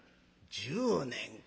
「１０年か。